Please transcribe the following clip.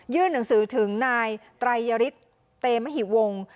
ยื่นหนังสือถึงนายตรายริกเตมหิวง